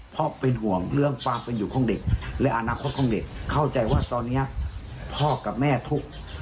เพราะเป็นห่วงเรื่องความเป็นอยู่ของเด็กและอนาคตของเด็กเข้าใจว่าตอนนี้พ่อกับแม่ทุกข์